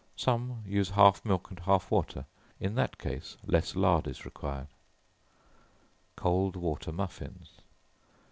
Some use half milk and half water; in that case, less lard is required. Cold Water Muffins.